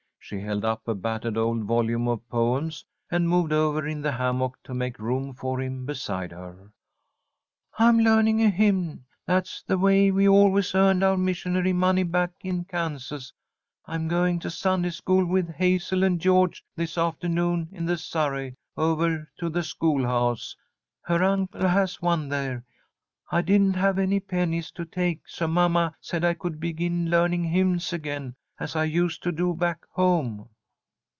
She held up a battered old volume of poems, and moved over in the hammock to make room for him beside her. "I'm learning a hymn. That's the way we always earned our missionary money back in Kansas. I'm going to Sunday school with Hazel and George this afternoon in the surrey over to the schoolhouse. Her uncle has one there. I didn't have any pennies to take, so mamma said I could begin learning hymns again, as I used to do back home."